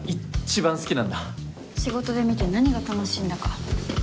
仕事で見て何が楽しいんだか。